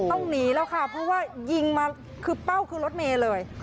ต้องหนีแล้วค่ะเพราะว่ายิงมาคือเป้าคือรถเมย์เลย